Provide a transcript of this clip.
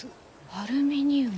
アルミニウム。